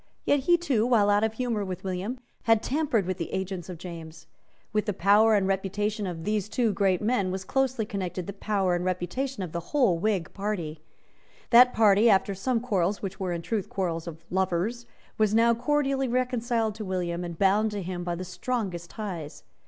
Yet he too, while out of humour with William, had tampered with the agents of James. With the power and reputation of these two great men was closely connected the power and reputation of the whole Whig party. That party, after some quarrels, which were in truth quarrels of lovers, was now cordially reconciled to William, and bound to him by the strongest ties.